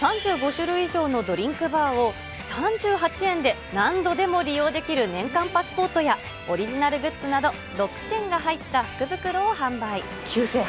３５種類以上のドリンクバーを３８円で何度でも利用できる年間パスポートやオリジナルグッズ９８００円相当が３８９０円です。